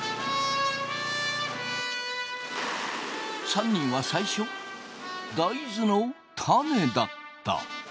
３人は最初大豆の種だった。